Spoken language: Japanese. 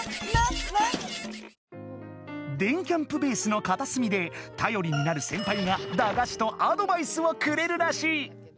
電キャんぷベースのかたすみでたよりになるセンパイがだがしとアドバイスをくれるらしい。